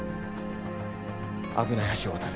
危ない橋を渡る。